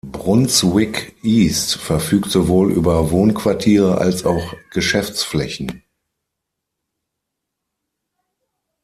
Brunswick East verfügt sowohl über Wohnquartiere als auch Geschäftsflächen.